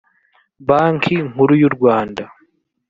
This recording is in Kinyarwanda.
banki nkuru y’u rwanda